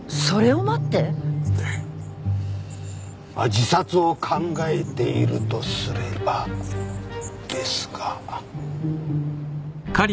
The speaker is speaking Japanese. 自殺を考えているとすればですが。